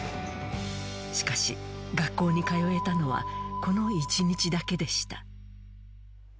しかし、学校に通えたのは、この１日だけでした。